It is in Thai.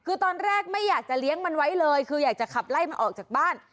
คือตอนแรกไม่อยากจะเลี้ยงมันไว้เลยคืออยากจะขับไล่มันออกจากบ้าน